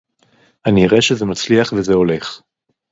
אני אראה שזה מצליח וזה הולך